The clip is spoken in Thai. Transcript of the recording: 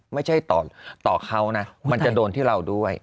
ไม่ใช่ต่อเขานะมันจะโดนที่เราด้วย